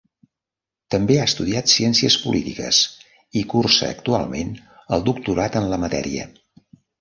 També ha estudiat ciències polítiques i cursa actualment el doctorat en la matèria.